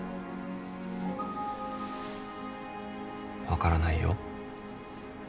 分からないよ。